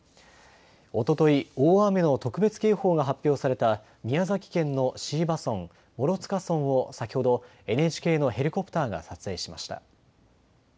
おととい、大雨の特別警報が発表された宮崎県の椎葉村、もろつか村を先ほどＮＨＫのヘリコプターが撮影しました。